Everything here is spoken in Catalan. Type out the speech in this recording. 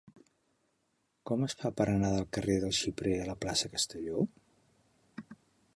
Com es fa per anar del carrer del Xiprer a la plaça de Castelló?